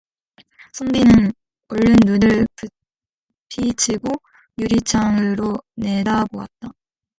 선비는 얼른 눈을 부비치고 유리창으로 내다보았다.